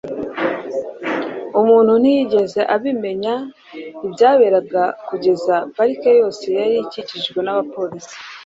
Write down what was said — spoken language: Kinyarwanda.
umuntu ntiyigeze abimenya ibyaberaga kugeza parike yose yari ikikijwe nabapolisi